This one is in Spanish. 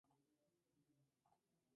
Es hija de una madre rusa y padre egipcio.